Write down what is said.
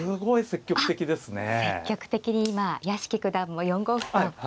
積極的に屋敷九段も４五歩と。